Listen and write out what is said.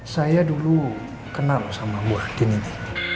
saya dulu kenal sama bu andin ini